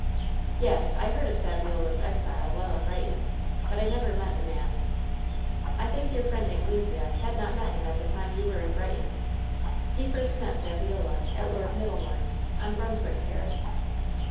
"Yes, I heard of Saviola's exile while at Brighton; but I never met the man." "I think your friend Anglesea had not met him at the time you were in Brighton. He first met Saviola at Lord Middlemoor's, on Brunswick Terrace."